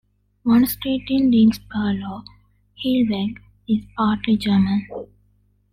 One street in Dinxperlo, "Heelweg", is partly German.